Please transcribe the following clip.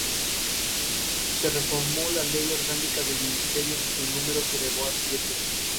Se reformó la Ley Orgánica de Ministerios y su número se elevó a siete.